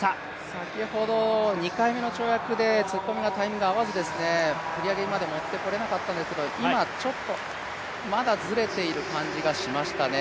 先ほど２回目の跳躍で突っ込みのタイミングが合わず、振り上げに持ってこられなかったんですが今、ちょっとまだずれていた感じがしましたね。